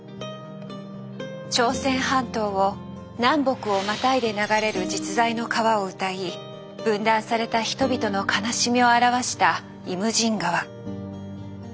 朝鮮半島を南北をまたいで流れる実在の川を歌い分断された人々の悲しみを表した「イムジン河」。